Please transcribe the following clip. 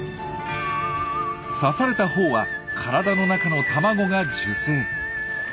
刺されたほうは体の中の卵が受精。